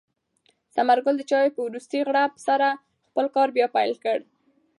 ثمر ګل د چای په وروستۍ غړپ سره خپل کار بیا پیل کړ.